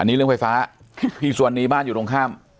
อันนี้เรื่องไฟฟ้าพี่ส่วนนี้บ้านอยู่ตรงข้าม